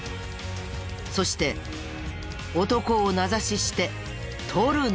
そして男を名指しして盗るな！